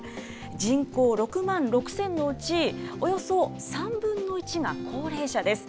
人口６万６０００のうち、およそ３分の１が高齢者です。